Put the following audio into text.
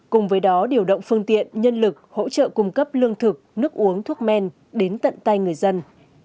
cùng với đó điều động phương tiện nhân lực hỗ trợ cung cấp lương thực nước uống thuốc men đến tận tay người dân